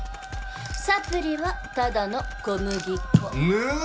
サプリはただの小麦粉。ぬ！？